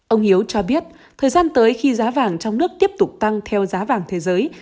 ông hiếu cho biết thời gian tới khi giá vàng trong nước tiếp tục tăng theo giá vàng thế giới